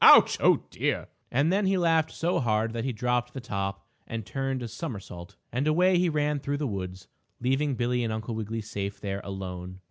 Ouch! Oh, dear!" And then he laughed so hard that he dropped the top and turned a somersault, and away he ran through the woods, leaving Billie and Uncle Wiggily safe there alone.